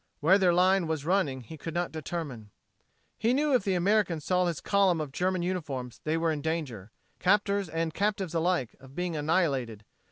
Where their line was running he could not determine. He knew if the Americans saw his column of German uniforms they were in danger captors and captives alike of being annihilated.